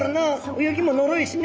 泳ぎものろいしね」。